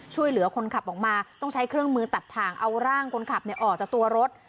ช่วยเหลือคนขับออกมาต้องใช้เครื่องมือตัดทางเอาร่างคนขับออกจากตัวรถ